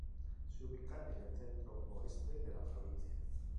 Se ubica en el centro-oeste de la provincia.